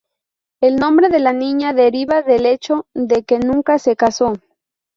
El nombre de la niña deriva del hecho de que nunca se casó.